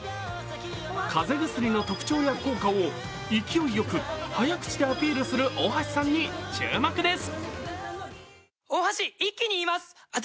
風邪薬の特徴や効果を勢いよく早口でアピールする大橋さんに注目です。